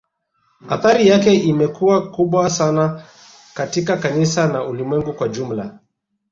Athari yake imekuwa kubwa sana katika kanisa na Ulimwengu kwa jumla